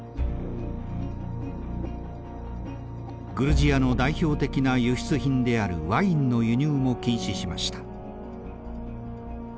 グルジアの代表的な輸出品であるワインの輸入も禁止しました。